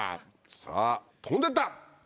さぁ飛んでった！